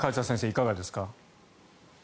いかがですか？